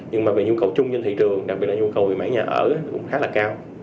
nhưng nhu cầu chung trên thị trường đặc biệt là nhu cầu về mảnh nhà ở cũng khá là cao